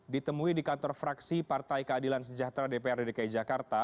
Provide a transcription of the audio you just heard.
ditemui di kantor fraksi partai keadilan sejahtera dprd dki jakarta